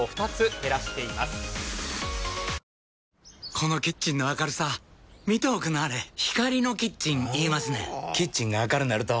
このキッチンの明るさ見ておくんなはれ光のキッチン言いますねんほぉキッチンが明るなると・・・